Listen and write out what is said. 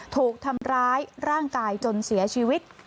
ถูกทำร้ายร่างกายจนเสียชีวิต